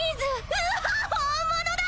うわっ本物だ！